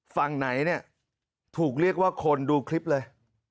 ฝั่งไหนเนี่ยถูกเรียกว่าคนดูคลิปเลย